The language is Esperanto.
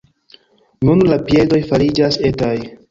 Nun la piedoj fariĝas etaj.